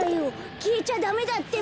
きえちゃダメだってば！